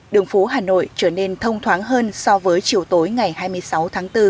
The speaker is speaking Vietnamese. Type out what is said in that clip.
đường phố hà nội trở nên thông thoáng hơn so với chiều tối ngày hai mươi sáu tháng bốn